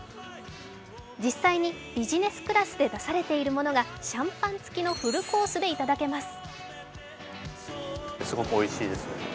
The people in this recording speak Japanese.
実際にビジネスクラスで出されているものがシャンパン付きのフルコースでいただけます。